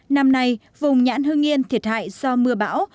năm nay vùng nhãn hương yên thiệt hại do mưa bão